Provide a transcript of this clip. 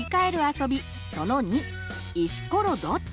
その２「石ころどっち？」。